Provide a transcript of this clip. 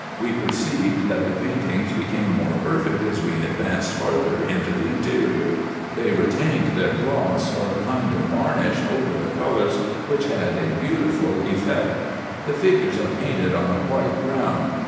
We perceived, that the paintings became more perfect as we advanced farther into the interior. They retained their gloss, or a kind of varnish over the colours, which had a beautiful effect. The figures are painted on a white ground.